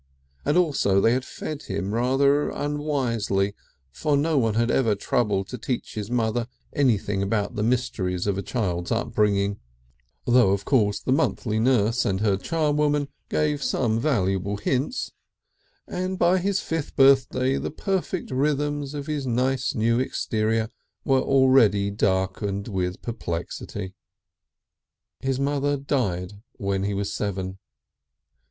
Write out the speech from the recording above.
And also they had fed him rather unwisely, for no one had ever troubled to teach his mother anything about the mysteries of a child's upbringing though of course the monthly nurse and her charwoman gave some valuable hints and by his fifth birthday the perfect rhythms of his nice new interior were already darkened with perplexity .... His mother died when he was seven.